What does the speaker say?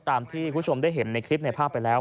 ตามที่คุณผู้ชมได้เห็นในคลิปในภาพไปแล้ว